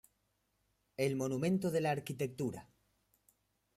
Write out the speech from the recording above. El monumento de la arquitectura.